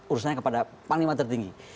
urusannya kepada panglima tertinggi